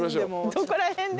どこら辺で？